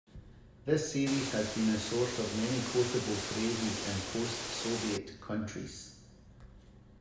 The series has been a source of many quotable phrases in post-Soviet countries.